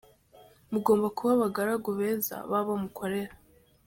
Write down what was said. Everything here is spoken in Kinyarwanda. Mugomba kuba abagaragu beza babo mukorera